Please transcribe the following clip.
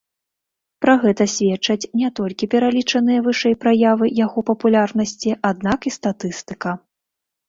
Пра гэта сведчаць не толькі пералічаныя вышэй праявы яго папулярнасці, аднак і статыстыка.